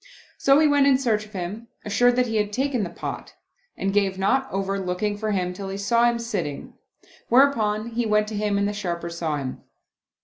So he went in search of him, assured that he had taken the pot, and gave not over looking for him till he saw him sitting ; whereupon he went to him and the Sharper saw him.